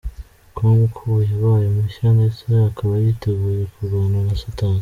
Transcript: com ko ubu yabaye mushya ndetse akaba yiteguye kurwana na satani.